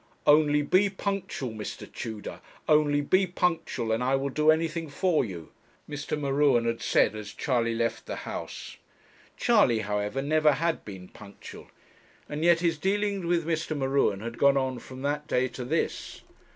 'Only be punctual, Mr. Tudor; only be punctual, and I will do anything for you,' Mr. M'Ruen had said, as Charley left the house. Charley, however, never had been punctual, and yet his dealings with Mr. M'Ruen had gone on from that day to this.